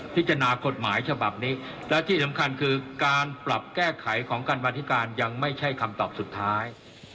พิจารณากฎหมายฉบับนี้และที่สำคัญคือการปรับแก้ไขของการบรรธิการยังไม่ใช่คำตอบสุดท้าย